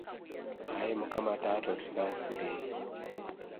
Ayi Mukama taata otusaasire.